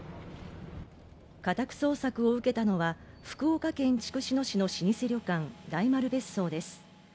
家宅捜索を受けたのは福岡県筑紫野市の老舗旅館、大丸別荘です。